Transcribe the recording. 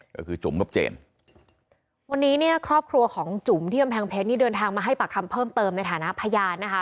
ก็คือจุ๋มกับเจมส์วันนี้เนี่ยครอบครัวของจุ๋มที่กำแพงเพชรนี่เดินทางมาให้ปากคำเพิ่มเติมในฐานะพยานนะคะ